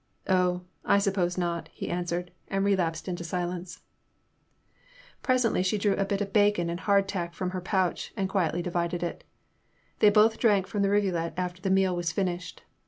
Oh, I suppose not," he answered, and re lapsed into silence. 2 18 In the Name of the Most High, Presently she drew a bit of bacon and hard tack from her pouch and quietly divided it. They both drank from the rivulet after the meal was finished.